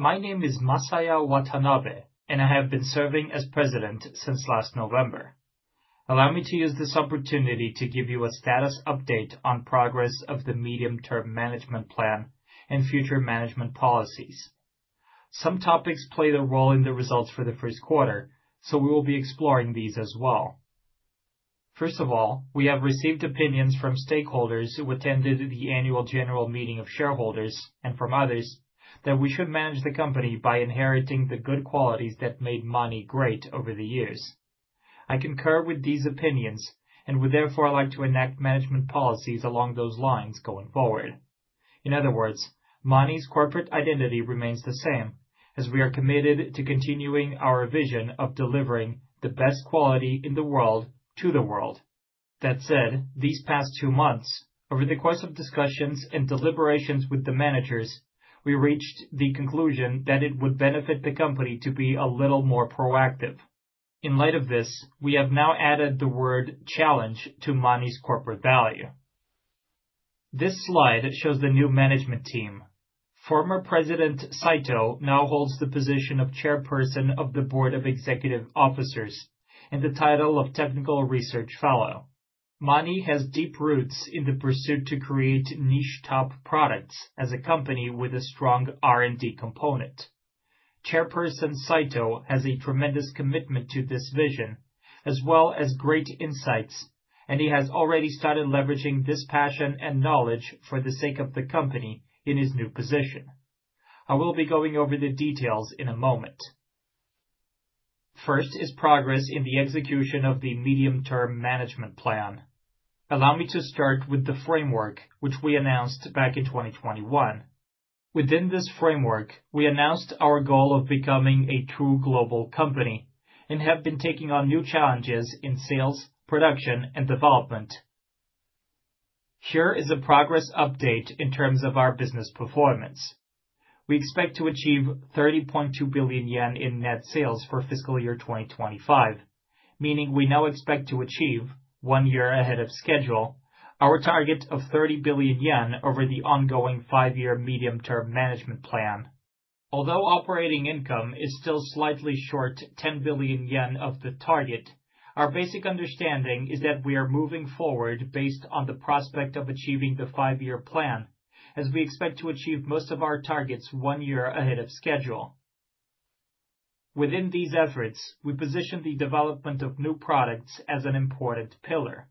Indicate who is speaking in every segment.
Speaker 1: My name is Masaya Watanabe, and I have been serving as President since last November. Allow me to use this opportunity to give you a status update on progress of the medium-term management plan and future management policies. Some topics play a role in the results for the first quarter, so we will be exploring these as well. First of all, we have received opinions from stakeholders who attended the annual general meeting of shareholders, and from others, that we should manage the company by inheriting the good qualities that made Mani great over the years. I concur with these opinions and would therefore like to enact management policies along those lines going forward. In other words, Mani's corporate identity remains the same, as we are committed to continuing our vision of delivering the best quality in the world to the world. That said, these past two months, over the course of discussions and deliberations with the managers, we reached the conclusion that it would benefit the company to be a little more proactive. In light of this, we have now added the word "challenge" to Mani's corporate value. This slide shows the new management team. Former President Saito now holds the position of Chairperson of the Board of Executive Officers and the title of Technical Research Fellow. Mani has deep roots in the pursuit to create niche-top products as a company with a strong R&D component. Chairperson Saito has a tremendous commitment to this vision, as well as great insights, and he has already started leveraging this passion and knowledge for the sake of the company in his new position. I will be going over the details in a moment. First is progress in the execution of the medium-term management plan. Allow me to start with the framework, which we announced back in 2021. Within this framework, we announced our goal of becoming a true global company and have been taking on new challenges in sales, production, and development. Here is a progress update in terms of our business performance. We expect to achieve 30.2 billion yen in net sales for fiscal year 2025, meaning we now expect to achieve, one year ahead of schedule, our target of 30 billion yen over the ongoing five-year medium-term management plan. Although operating income is still slightly short 10 billion yen of the target, our basic understanding is that we are moving forward based on the prospect of achieving the five-year plan, as we expect to achieve most of our targets one year ahead of schedule. Within these efforts, we position the development of new products as an important pillar.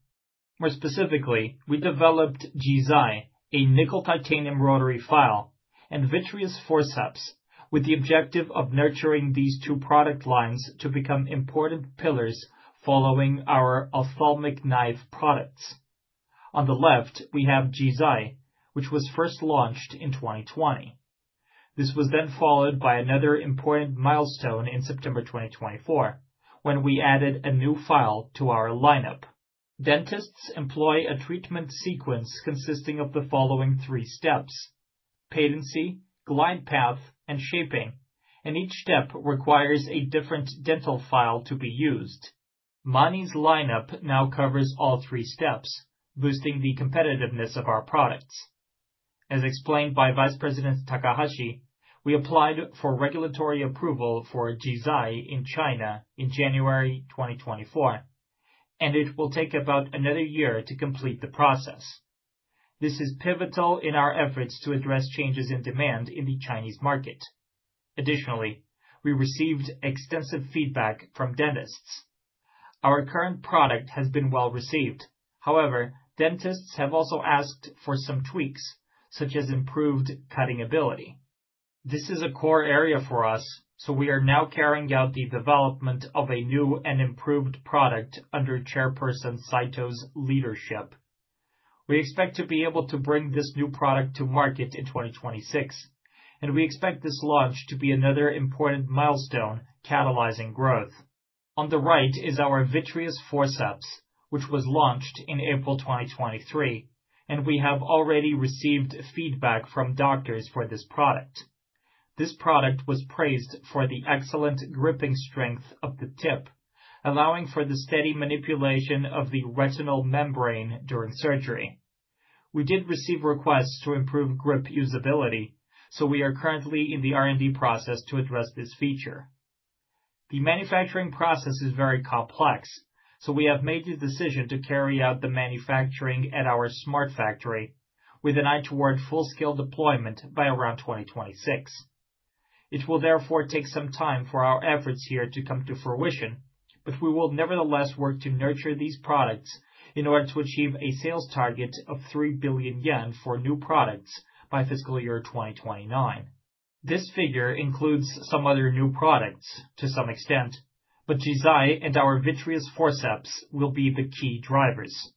Speaker 1: More specifically, we developed JIZAI, a nickel-titanium rotary file, and vitreous forceps, with the objective of nurturing these two product lines to become important pillars following our ophthalmic Knife products. On the left, we have JIZAI, which was first launched in 2020. This was then followed by another important milestone in September 2024, when we added a new file to our lineup. Dentists employ a treatment sequence consisting of the following three steps: patency, glide path, and shaping, and each step requires a different dental file to be used. Mani's lineup now covers all three steps, boosting the competitiveness of our products. As explained by Vice President Takahashi, we applied for regulatory approval for JIZAI in China in January 2024, and it will take about another year to complete the process. This is pivotal in our efforts to address changes in demand in the Chinese market. Additionally, we received extensive feedback from dentists. Our current product has been well received. However, dentists have also asked for some tweaks, such as improved cutting ability. This is a core area for us, so we are now carrying out the development of a new and improved product under Chairperson Saito's leadership. We expect to be able to bring this new product to market in 2026, and we expect this launch to be another important milestone catalyzing growth. On the right is our vitreous forceps, which was launched in April 2023, and we have already received feedback from doctors for this product. This product was praised for the excellent gripping strength of the tip, allowing for the steady manipulation of the retinal membrane during surgery. We did receive requests to improve grip usability, so we are currently in the R&D process to address this feature. The manufacturing process is very complex, so we have made the decision to carry out the manufacturing at our smart Factory, with an eye toward full-scale deployment by around 2026. It will therefore take some time for our efforts here to come to fruition, but we will nevertheless work to nurture these products in order to achieve a sales target of 3 billion yen for new products by fiscal year 2029. This figure includes some other new products to some extent, but JIZAI and our vitreous forceps will be the key drivers.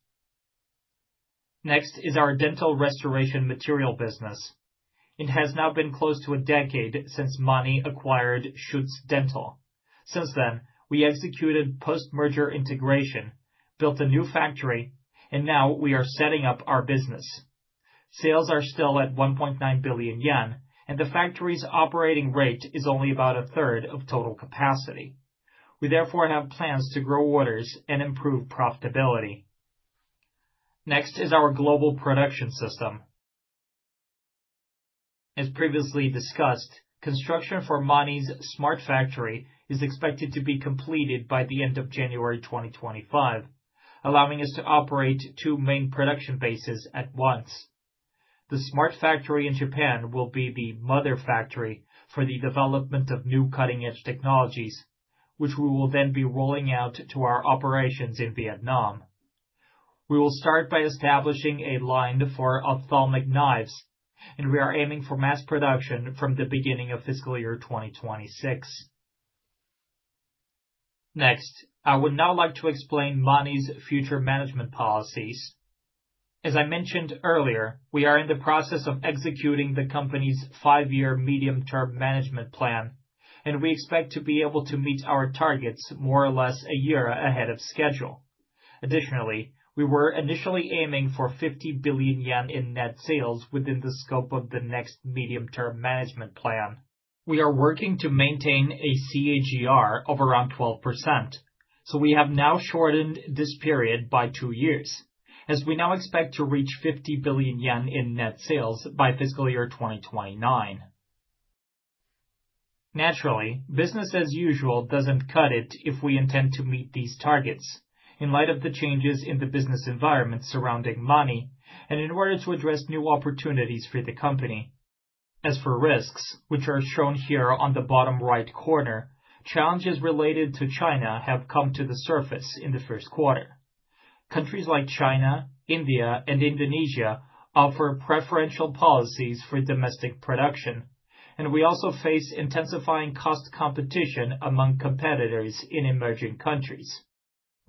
Speaker 1: Next is our dental restoration material business. It has now been close to a decade since Mani acquired Schütz Dental. Since then, we executed post-merger integration, built a new factory, and now we are setting up our business. Sales are still at 1.9 billion yen, and the factory's operating rate is only about a third of total capacity. We therefore have plans to grow orders and improve profitability. Next is our global production system. As previously discussed, construction for Mani's smart factory is expected to be completed by the end of January 2025, allowing us to operate two main production bases at once. The smart factory in Japan will be the mother factory for the development of new cutting-edge technologies, which we will then be rolling out to our operations in Vietnam. We will start by establishing a line for ophthalmic knives, and we are aiming for mass production from the beginning of fiscal year 2026. Next, I would now like to explain Mani's future management policies. As I mentioned earlier, we are in the process of executing the company's five-year medium-term management plan, and we expect to be able to meet our targets more or less a year ahead of schedule. Additionally, we were initially aiming for 50 billion yen in net sales within the scope of the next Medium-Term Management Plan. We are working to maintain a CAGR of around 12%, so we have now shortened this period by two years, as we now expect to reach 50 billion yen in net sales by fiscal year 2029. Naturally, business as usual doesn't cut it if we intend to meet these targets, in light of the changes in the business environment surrounding Mani, and in order to address new opportunities for the company. As for risks, which are shown here on the bottom right corner, challenges related to China have come to the surface in the first quarter. Countries like China, India, and Indonesia offer preferential policies for domestic production, and we also face intensifying cost competition among competitors in emerging countries.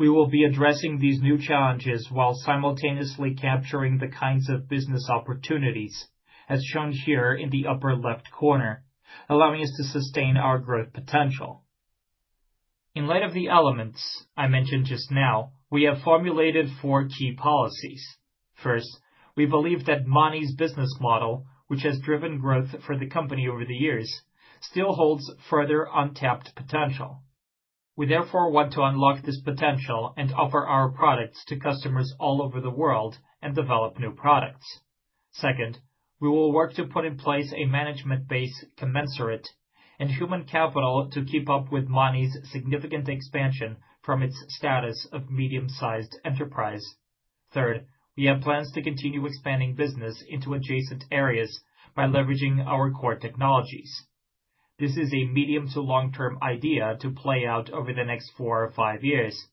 Speaker 1: We will be addressing these new challenges while simultaneously capturing the kinds of business opportunities, as shown here in the upper left corner, allowing us to sustain our growth potential. In light of the elements I mentioned just now, we have formulated four key policies. First, we believe that Mani's business model, which has driven growth for the company over the years, still holds further untapped potential. We therefore want to unlock this potential and offer our products to customers all over the world and develop new products. Second, we will work to put in place a management base commensurate and human capital to keep up with Mani's significant expansion from its status of medium-sized enterprise. Third, we have plans to continue expanding business into adjacent areas by leveraging our core technologies. This is a medium to long-term idea to play out over the next four or five years,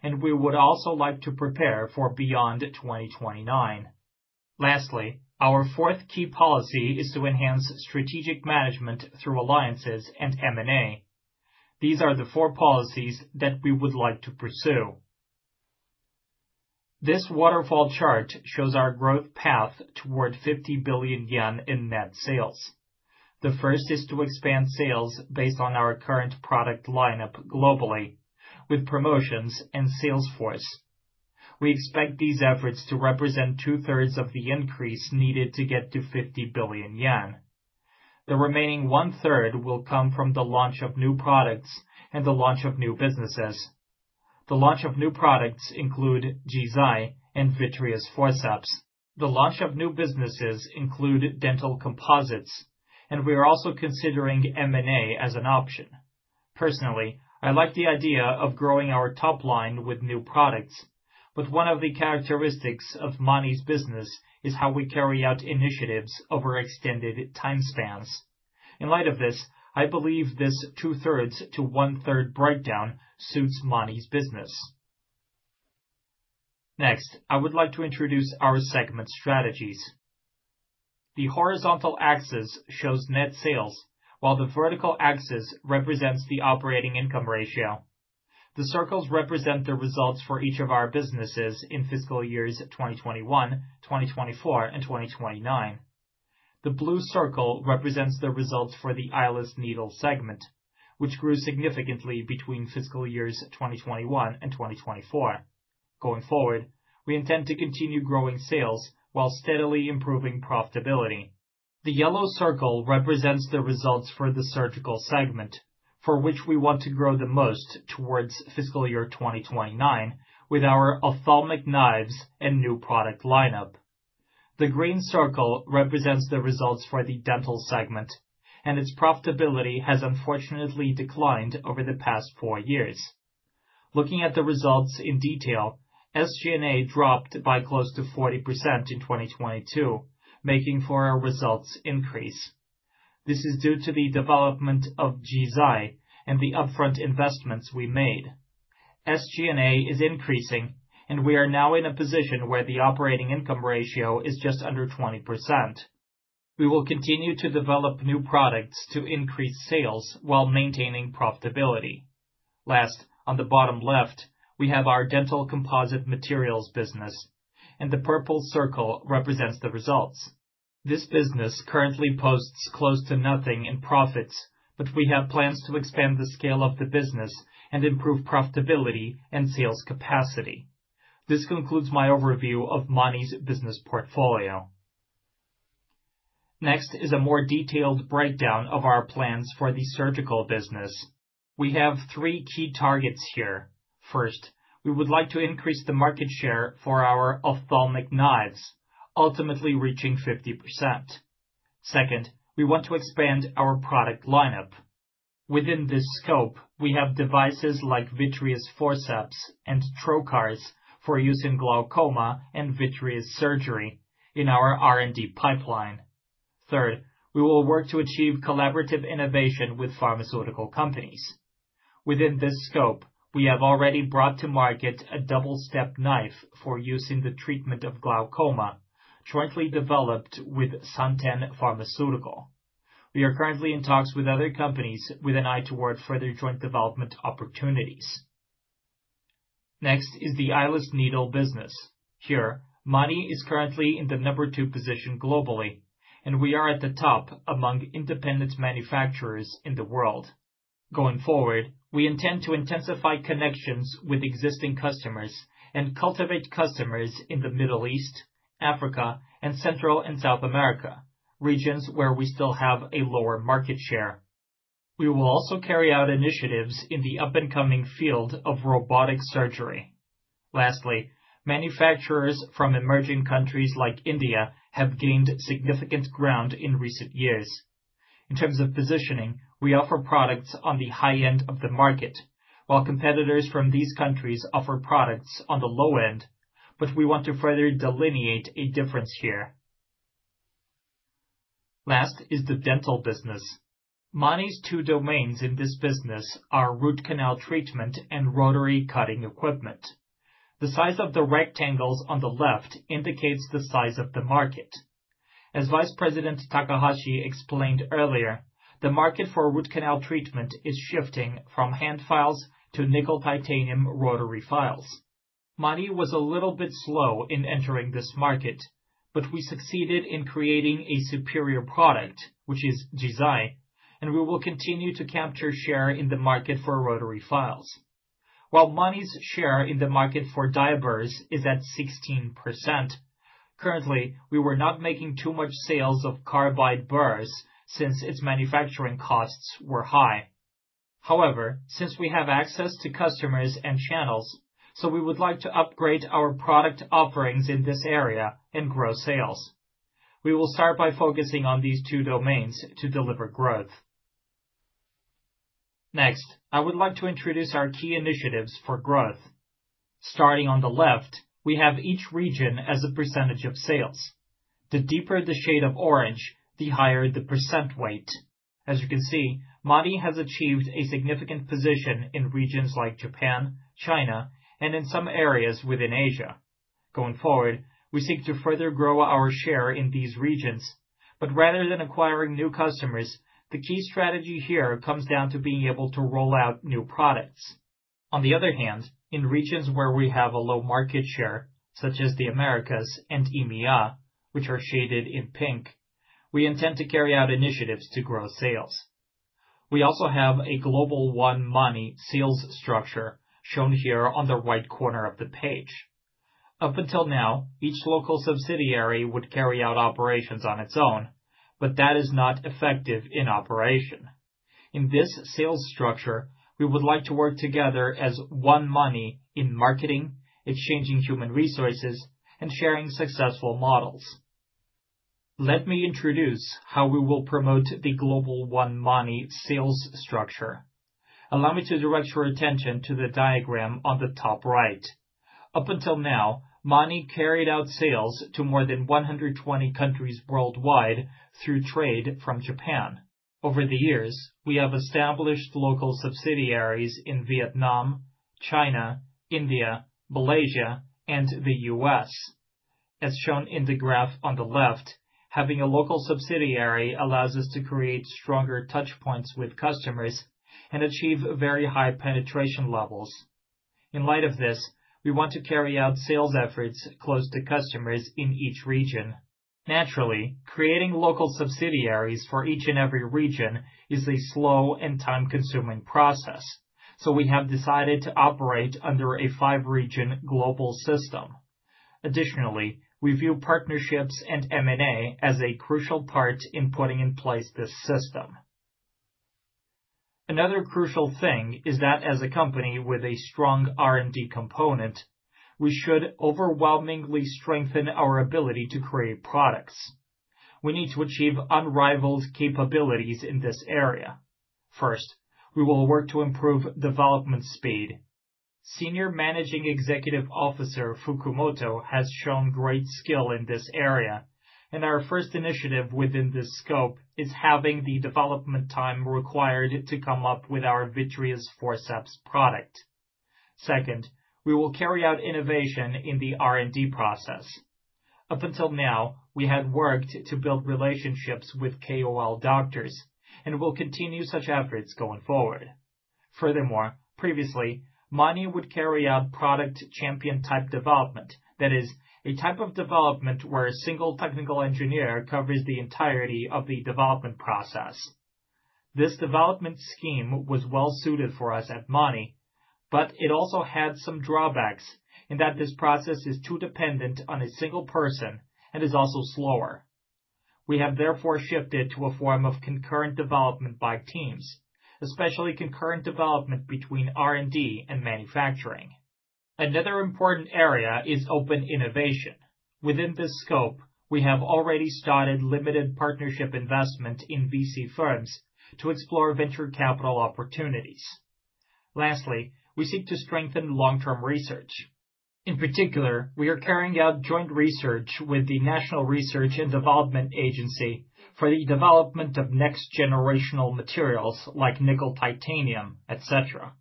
Speaker 1: and we would also like to prepare for beyond 2029. Lastly, our fourth key policy is to enhance strategic management through alliances and M&A. These are the four policies that we would like to pursue. This waterfall chart shows our growth path toward 50 billion yen in net sales. The first is to expand sales based on our current product lineup globally, with promotions and sales force. We expect these efforts to represent two-thirds of the increase needed to get to 50 billion yen. The remaining one-third will come from the launch of new products and the launch of new businesses. The launch of new products includes JIZAI and vitreous forceps. The launch of new businesses includes dental composites, and we are also considering M&A as an option. Personally, I like the idea of growing our top line with new products, but one of the characteristics of Mani's business is how we carry out initiatives over extended time spans. In light of this, I believe this two-thirds to one-third breakdown suits Mani's business. Next, I would like to introduce our segment strategies. The horizontal axis shows net sales, while the vertical axis represents the operating income ratio. The circles represent the results for each of our businesses in fiscal years 2021, 2024, and 2029. The blue circle represents the results for the eyeless Needle segment, which grew significantly between fiscal years 2021 and 2024. Going forward, we intend to continue growing sales while steadily improving profitability. The yellow circle represents the results for the surgical segment, for which we want to grow the most towards fiscal year 2029 with our ophthalmic knife and new product lineup. The green circle represents the results for the dental segment, and its profitability has unfortunately declined over the past four years. Looking at the results in detail, SG&A dropped by close to 40% in 2022, making for a results increase. This is due to the development of JIZAI and the upfront investments we made. SG&A is increasing, and we are now in a position where the operating income ratio is just under 20%. We will continue to develop new products to increase sales while maintaining profitability. Last, on the bottom left, we have our dental composite materials business, and the purple circle represents the results. This business currently posts close to nothing in profits, but we have plans to expand the scale of the business and improve profitability and sales capacity. This concludes my overview of Mani's business portfolio. Next is a more detailed breakdown of our plans for the surgical business. We have three key targets here. First, we would like to increase the market share for our ophthalmic knife, ultimately reaching 50%. Second, we want to expand our product lineup. Within this scope, we have devices like vitreous forceps and trocars for use in glaucoma and vitreous surgery in our R&D pipeline. Third, we will work to achieve collaborative innovation with pharmaceutical companies. Within this scope, we have already brought to market a double-step knife for use in the treatment of glaucoma, jointly developed with Santen Pharmaceutical. We are currently in talks with other companies with an eye toward further joint development opportunities. Next is the eyeless needle business. Here, Mani is currently in the number two position globally, and we are at the top among independent manufacturers in the world. Going forward, we intend to intensify connections with existing customers and cultivate customers in the Middle East, Africa, and Central and South America, regions where we still have a lower market share. We will also carry out initiatives in the up-and-coming field of robotic surgery. Lastly, manufacturers from emerging countries like India have gained significant ground in recent years. In terms of positioning, we offer products on the high end of the market, while competitors from these countries offer products on the low end, but we want to further delineate a difference here. Last is the dental business. Mani's two domains in this business are root canal treatment and rotary cutting equipment. The size of the rectangles on the left indicates the size of the market. As Vice President Takahashi explained earlier, the market for root canal treatment is shifting from hand files to nickel titanium rotary files. Mani was a little bit slow in entering this market, but we succeeded in creating a superior product, which is JIZAI, and we will continue to capture share in the market for rotary files. While Mani's share in the market for diamond burs is at 16%, currently we were not making too much sales of carbide burs since its manufacturing costs were high. However, since we have access to customers and channels, we would like to upgrade our product offerings in this area and grow sales. We will start by focusing on these two domains to deliver growth. Next, I would like to introduce our key initiatives for growth. Starting on the left, we have each region as a percentage of sales. The deeper the shade of orange, the higher the percent weight. As you can see, Mani has achieved a significant position in regions like Japan, China, and in some areas within Asia. Going forward, we seek to further grow our share in these regions, but rather than acquiring new customers, the key strategy here comes down to being able to roll out new products. On the other hand, in regions where we have a low market share, such as the Americas and EMEA, which are shaded in pink, we intend to carry out initiatives to grow sales. We also have a Global One Mani sales structure shown here on the right corner of the page. Up until now, each local subsidiary would carry out operations on its own, but that is not effective in operation. In this sales structure, we would like to work together as One Mani in marketing, exchanging human resources, and sharing successful models. Let me introduce how we will promote the Global One Mani sales structure. Allow me to direct your attention to the diagram on the top right. Up until now, Mani carried out sales to more than 120 countries worldwide through trade from Japan. Over the years, we have established local subsidiaries in Vietnam, China, India, Malaysia, and the U.S. As shown in the graph on the left, having a local subsidiary allows us to create stronger touchpoints with customers and achieve very high penetration levels. In light of this, we want to carry out sales efforts close to customers in each region. Naturally, creating local subsidiaries for each and every region is a slow and time-consuming process, so we have decided to operate under a five-region global system. Additionally, we view partnerships and M&A as a crucial part in putting in place this system. Another crucial thing is that as a company with a strong R&D component, we should overwhelmingly strengthen our ability to create products. We need to achieve unrivaled capabilities in this area. First, we will work to improve development speed. Senior Managing Executive Officer Fukumoto has shown great skill in this area, and our first initiative within this scope is having the development time required to come up with our vitreous forceps product. Second, we will carry out innovation in the R&D process. Up until now, we had worked to build relationships with KOL doctors, and we'll continue such efforts going forward. Furthermore, previously, Mani would carry out product champion type development, that is, a type of development where a single technical engineer covers the entirety of the development process. This development scheme was well-suited for us at Mani, but it also had some drawbacks in that this process is too dependent on a single person and is also slower. We have therefore shifted to a form of concurrent development by teams, especially concurrent development between R&D and manufacturing. Another important area is open innovation. Within this scope, we have already started limited partnership investment in VC firms to explore venture capital opportunities. Lastly, we seek to strengthen long-term research. In particular, we are carrying out joint research with the National Research and Development Agency for the development of next-generation materials like nickel-titanium, etc.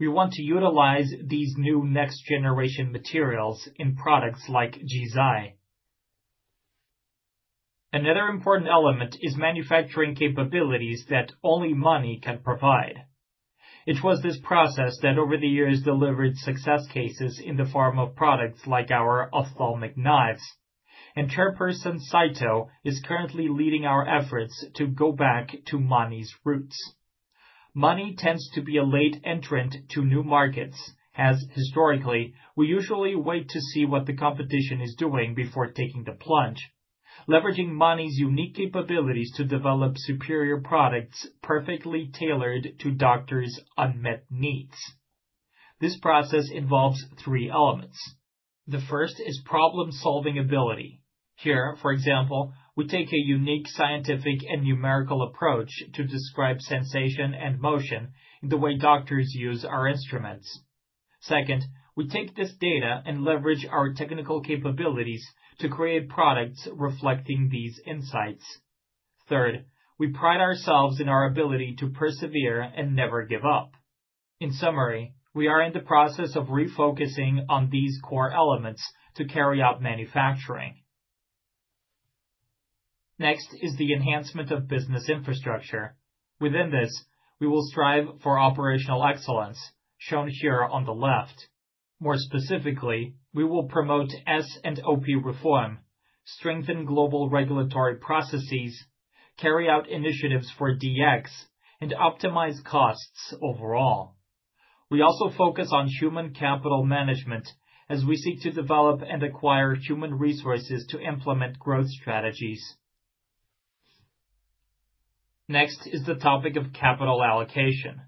Speaker 1: We want to utilize these new next-generation materials in products like JIZAI. Another important element is manufacturing capabilities that only Mani can provide. It was this process that over the years delivered success cases in the form of products like our ophthalmic knives, and Chairperson Saito is currently leading our efforts to go back to Mani's roots. Mani tends to be a late entrant to new markets, as historically, we usually wait to see what the competition is doing before taking the plunge, leveraging Mani's unique capabilities to develop superior products perfectly tailored to doctors' unmet needs. This process involves three elements. The first is problem-solving ability. Here, for example, we take a unique scientific and numerical approach to describe sensation and motion in the way doctors use our instruments. Second, we take this data and leverage our technical capabilities to create products reflecting these insights. Third, we pride ourselves in our ability to persevere and never give up. In summary, we are in the process of refocusing on these core elements to carry out manufacturing. Next is the enhancement of business infrastructure. Within this, we will strive for operational excellence, shown here on the left. More specifically, we will promote S&OP reform, strengthen global regulatory processes, carry out initiatives for DX, and optimize costs overall. We also focus on human capital management as we seek to develop and acquire human resources to implement growth strategies. Next is the topic of capital allocation.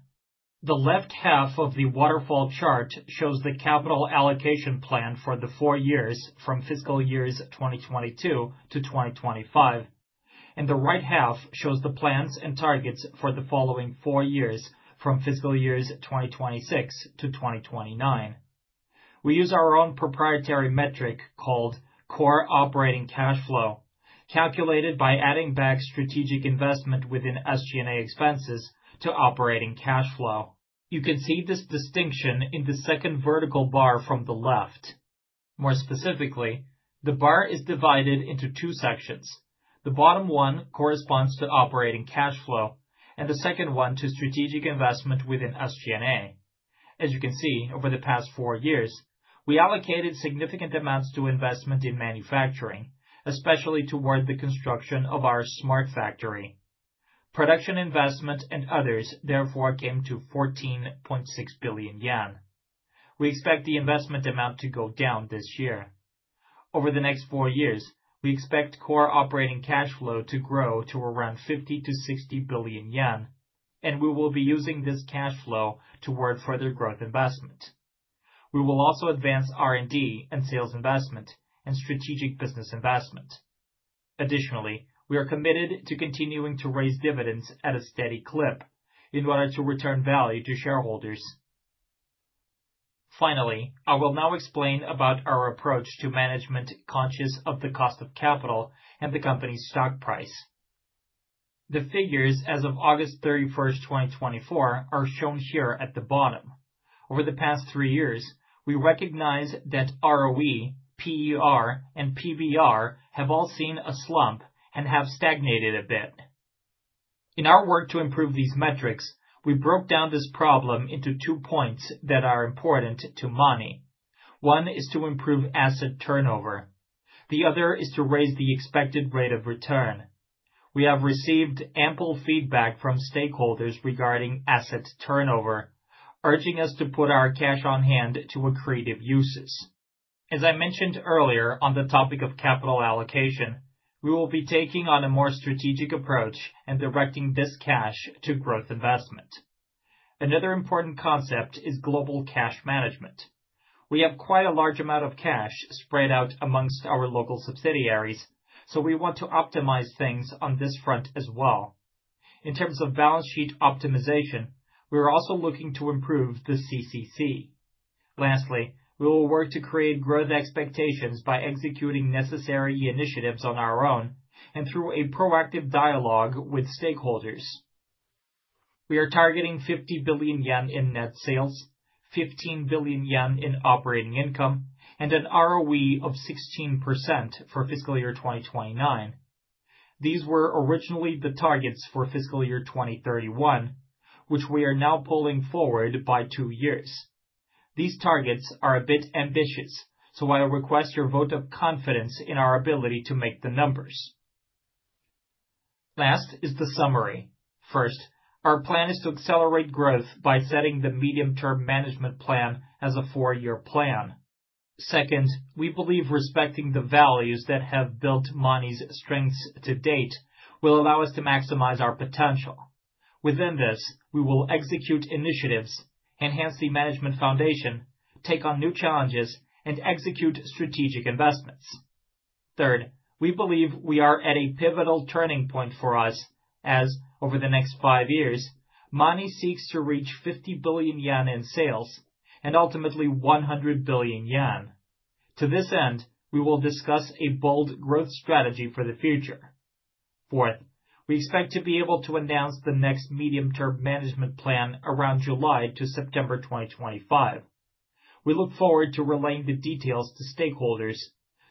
Speaker 1: The left half of the waterfall chart shows the capital allocation plan for the four years from fiscal years 2022 to 2025, and the right half shows the plans and targets for the following four years from fiscal years 2026 to 2029. We use our own proprietary metric called core operating cash flow, calculated by adding back strategic investment within SG&A expenses to operating cash flow. You can see this distinction in the second vertical bar from the left. More specifically, the bar is divided into two sections. The bottom one corresponds to operating cash flow, and the second one to strategic investment within SG&A. As you can see, over the past four years, we allocated significant amounts to investment in manufacturing, especially toward the construction of our smart factory. Production investment and others therefore came to 14.6 billion yen. We expect the investment amount to go down this year. Over the next four years, we expect core operating cash flow to grow to around 50-60 billion yen, and we will be using this cash flow toward further growth investment. We will also advance R&D and sales investment and strategic business investment. Additionally, we are committed to continuing to raise dividends at a steady clip in order to return value to shareholders. Finally, I will now explain about our approach to management conscious of the cost of capital and the company's stock price. The figures as of August 31, 2024, are shown here at the bottom. Over the past three years, we recognize that ROE, PER, and PBR have all seen a slump and have stagnated a bit. In our work to improve these metrics, we broke down this problem into two points that are important to Mani. One is to improve asset turnover. The other is to raise the expected rate of return. We have received ample feedback from stakeholders regarding asset turnover, urging us to put our cash on hand to creative uses. As I mentioned earlier on the topic of capital allocation, we will be taking on a more strategic approach and directing this cash to growth investment. Another important concept is global cash management. We have quite a large amount of cash spread out among our local subsidiaries, so we want to optimize things on this front as well. In terms of balance sheet optimization, we are also looking to improve the CCC. Lastly, we will work to create growth expectations by executing necessary initiatives on our own and through a proactive dialogue with stakeholders. We are targeting 50 billion yen in net sales, 15 billion yen in operating income, and an ROE of 16% for fiscal year 2029. These were originally the targets for fiscal year 2031, which we are now pulling forward by two years. These targets are a bit ambitious, so I request your vote of confidence in our ability to make the numbers. Last is the summary. First, our plan is to accelerate growth by setting the medium-term management plan as a four-year plan. Second, we believe respecting the values that have built Mani's strengths to date will allow us to maximize our potential. Within this, we will execute initiatives, enhance the management foundation, take on new challenges, and execute strategic investments. Third, we believe we are at a pivotal turning point for us as over the next five years, Mani seeks to reach 50 billion yen in sales and ultimately 100 billion yen. To this end, we will discuss a bold growth strategy for the future. Fourth, we expect to be able to announce the next medium-term management plan around July to September 2025. We look forward to relaying the details to stakeholders,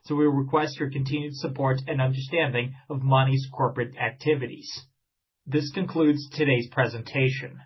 Speaker 1: so we request your continued support and understanding of Mani's corporate activities. This concludes today's presentation.